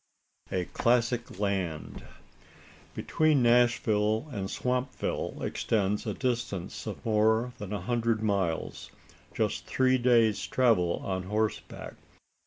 A CLASSIC LAND. Between Nashville and Swampville extends a distance of more than a hundred miles just three days' travel on horseback.